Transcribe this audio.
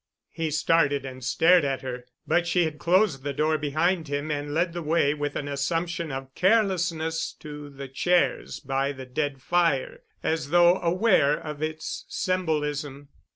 He started and stared at her, but she had closed the door behind him and led the way with an assumption of carelessness to the chairs by the dead fire, as though aware of its symbolism.